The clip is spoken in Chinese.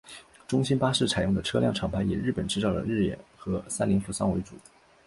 中兴巴士采用的车辆厂牌以日本制造的日野及三菱扶桑为主。